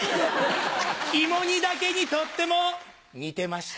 芋煮だけにとってもにてました。